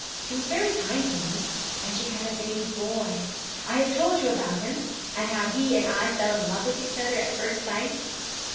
She was very kind to me; and she had a baby boy. I have told you about him, and how he and I fell in love with each other at first sight.'